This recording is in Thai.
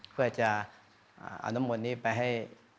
เพื่อจะเอาน้ำมนต์นี้ไปให้